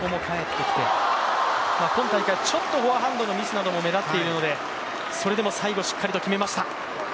今大会、ちょっとフォアハンドのミスなども目立っているので、それでも最後、しっかりと決めました。